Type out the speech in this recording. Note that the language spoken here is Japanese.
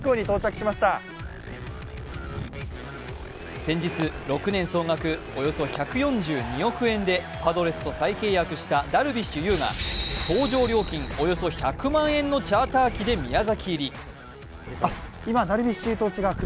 先日、６年総額およそ１４２億円でパドレスと再契約したダルビッシュ有が搭乗料金およそ１００万円のチャーター機で宮崎入り。